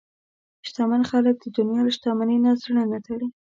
شتمن خلک د دنیا له شتمنۍ نه زړه نه تړي.